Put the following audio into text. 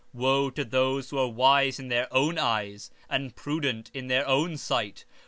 15:21 Wo unto the wise in their own eyes and prudent in their own sight!